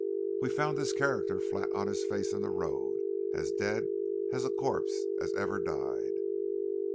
"We found this character flat on his face in the road, as dead a corpse as ever died."